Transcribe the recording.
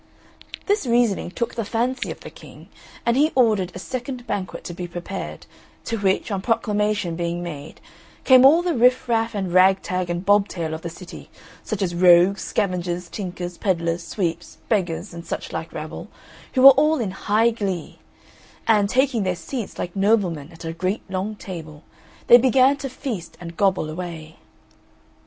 This reasoning took the fancy of the King, and he ordered a second banquet to be prepared, to which, on proclamation being made, came all the riff raff and rag tag and bob tail of the city, such as rogues, scavengers, tinkers, pedlars, sweeps, beggars, and such like rabble, who were all in high glee; and, taking their seats like noblemen at a great long table, they began to feast and gobble away.